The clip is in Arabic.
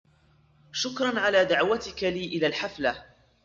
شكرأ على دعوتكَ لي إلى الحفلة.